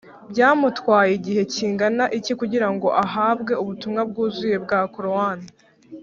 byamutwaye igihe kingana iki kugira ngo ahabwe ubutumwa bwuzuye bwa korowani?